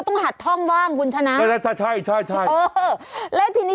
หัดท่องว่างคุณชนะใช่ไหมใช่ใช่ใช่เออแล้วทีนี้